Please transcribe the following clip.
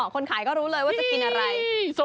คนขายก็รู้เลยว่าจะกินอะไร